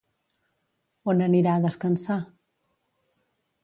On anirà a descansar?